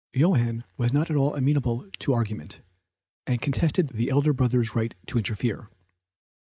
Johann was not at all amenable to argument, and contested the elder brother's right to interfere.